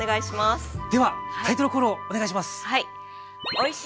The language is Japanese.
ではタイトルコールをお願いします。